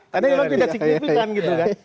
karena ini memang tidak signifikan gitu kan